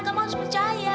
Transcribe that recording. kamu harus percaya